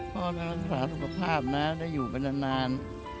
พ่อได้รักษาสุขภาพนะได้อยู่กันนาน